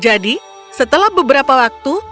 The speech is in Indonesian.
jadi setelah beberapa waktu